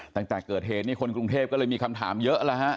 ตั้งแต่เกิดเหตุนี่คนกรุงเทพก็เลยมีคำถามเยอะแล้วฮะ